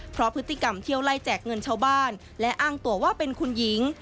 เพราะพฤติกรรมเที่ยวไล่แจกเงินชาวบ้านและอ้างตัวว่าเป็นคุณหญิง